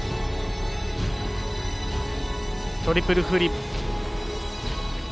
トリプルフリップ。